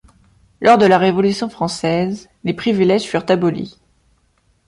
Lors de la Révolution française, les privilèges furent abolis.